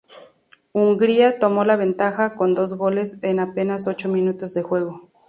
Hungría tomó la ventaja con dos goles en apenas ocho minutos de juego.